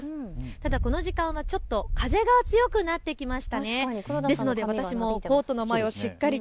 ただ、この時間はちょっと風が強くなってきましたね。